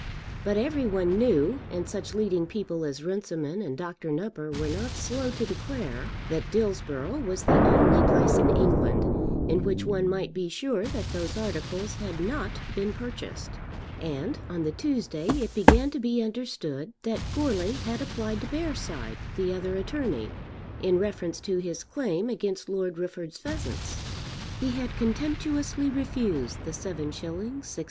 But every one knew, and such leading people as Runciman and Dr. Nupper were not slow to declare, that Dillsborough was the only place in England in which one might be sure that those articles had not been purchased. And on the Tuesday it began to be understood that Goarly had applied to Bearside, the other attorney, in reference to his claim against Lord Rufford's pheasants. He had contemptuously refused the 7_s._ 6_d.